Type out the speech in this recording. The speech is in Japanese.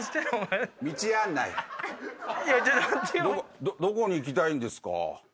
どこに行きたいんですか？